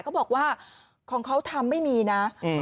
เขาบอกว่าของเขาทำไม่มีนะ